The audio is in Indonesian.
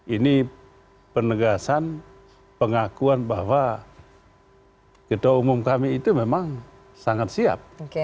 ini penegasan pengakuan bahwa ketua umum kami itu memang sangat siap